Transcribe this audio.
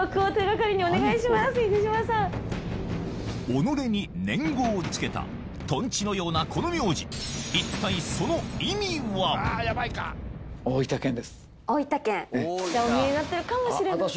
「己」に「年後」をつけたとんちのようなこの名字一体大分県。